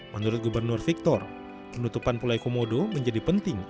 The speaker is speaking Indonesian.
menurut gubernur victor penutupan pulau komodo menjadi penting